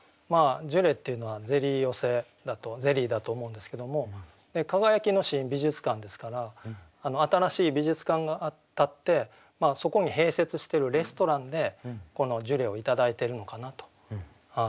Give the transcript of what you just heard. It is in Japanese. ジュレっていうのはゼリー寄せゼリーだと思うんですけども「耀きの新美術館」ですから新しい美術館が建ってそこに併設してるレストランでこのジュレをいただいてるのかなと。